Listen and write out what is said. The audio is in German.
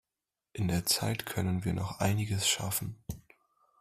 In der Zeit können wir noch einiges schaffen.